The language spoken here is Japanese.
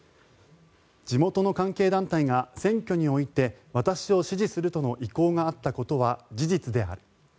地元の関係団体が選挙において私を支持するとの意向があったことは事実である。